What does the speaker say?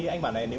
anh sẽ trả lời